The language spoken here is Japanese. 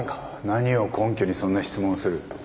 何を根拠にそんな質問をする？